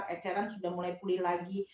eceran sudah mulai pulih lagi